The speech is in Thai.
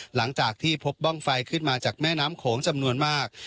หลังจากที่พบบ้างไฟขึ้นมาจากแม่น้ำโขงจำนวนมาก